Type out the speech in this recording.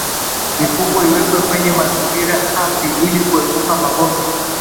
Mifugo iwekwe kwenye mazingira safi ili kuepuka magonjwa